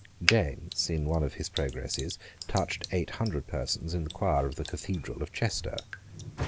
James, in one of his progresses, touched eight hundred persons in the choir of the Cathedral of Chester.